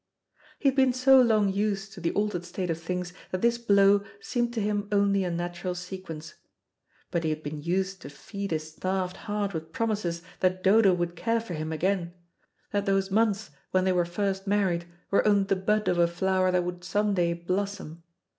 He had been so long used to the altered state of things that this blow seemed to him only a natural sequence. But he had been used to feed his starved heart with promises that Dodo would care for him again; that those months when they were first married were only the bud of a flower that would some day blossom.